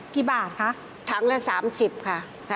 กี่บาทคะทั้งละ๓๐บาทค่ะค่ะ